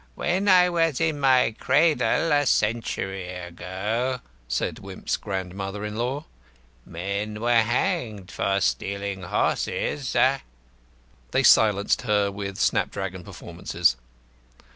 "When I was in my cradle, a century ago," said Wimp's grandmother in law, "men were hanged for stealing horses." They silenced her with snapdragon performances.